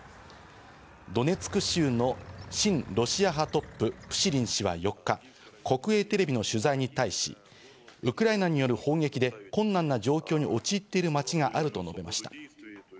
ドネツク州の親ロシア派トップ、プシリン氏は４日、国営テレビの取材に対し、ウクライナによる砲撃で困難な状況に陥っている街があると述べました。